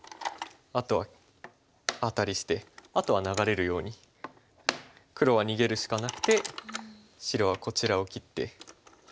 あとはアタリしてあとは流れるように黒は逃げるしかなくて白はこちらを切って。